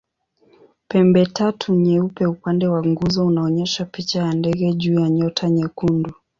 Pembetatu nyeupe upande wa nguzo unaonyesha picha ya ndege juu ya nyota nyekundu.